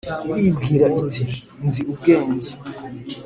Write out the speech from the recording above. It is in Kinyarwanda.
iribwira iti ” nzi ubwenge,